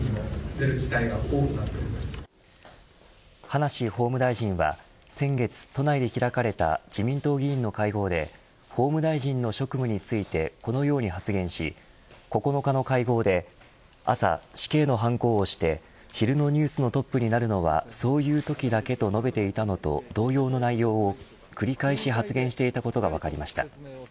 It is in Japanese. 葉梨法務大臣は先月都内で開かれた自民党議員の会合で法務大臣の職務についてこのように発言し９日の会合で朝、死刑のハンコを押して昼のニュースのトップになるのはそういうときだけと述べていたのと同様の内容を繰り返し発言していたことが分かりました。